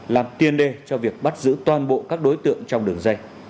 làm tiền đề cho việc bắt giữ toàn bộ các đối tượng trong đường dây